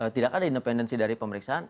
tidak ada independensi dari pemeriksaan